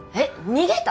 逃げた？